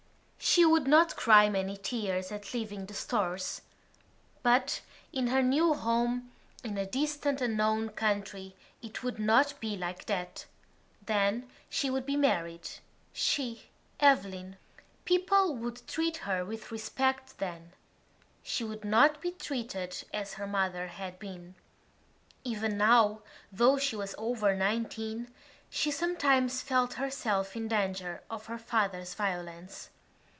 She would not cry many tears at leaving the Stores. But in her new home, in a distant unknown country, it would not be like that. Then she would be married—she, Eveline. People would treat her with respect then. She would not be treated as her mother had been. Even now, though she was over nineteen, she sometimes felt herself in danger of her father's violence.